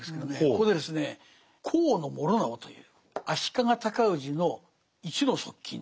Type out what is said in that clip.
ここでですね高師直という足利尊氏の一の側近。